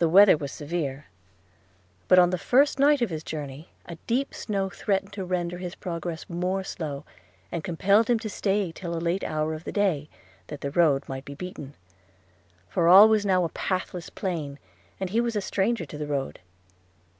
The weather was severe; but, on the first night of his journey, a deep snow threatened to render his progress more slow, and compelled him to stay till a late hour of the day, that the road might be beaten; for all was now a pathless plain, and he was a stranger to the road.